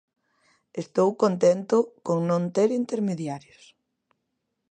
Estou contento con non ter intermediarios.